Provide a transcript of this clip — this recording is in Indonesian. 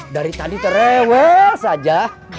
dari tadi terewes saja